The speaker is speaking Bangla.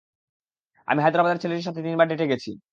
আমি হায়দ্রাবাদের ছেলেটির সাথে তিনবার ডেটে গেছি।